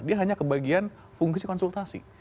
dia hanya kebagian fungsi konsultasi